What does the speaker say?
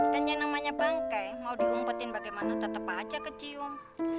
dan yang namanya bangke mau diumpetin bagaimana tetep aja kecium